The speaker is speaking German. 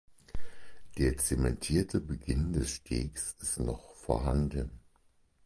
Der zementierte Beginn des Stegs ist noch vorhanden.